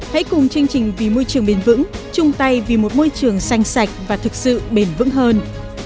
hãy cùng chương trình vì môi trường bền vững chung tay vì một môi trường xanh sạch và thực sự bền vững hơn